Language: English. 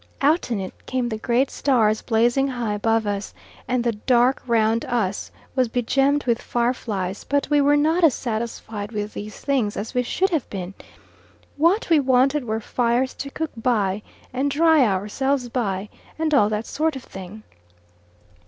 Out in it came the great stars blazing high above us, and the dark round us was be gemmed with fire flies: but we were not as satisfied with these things as we should have been; what we wanted were fires to cook by and dry ourselves by, and all that sort of thing.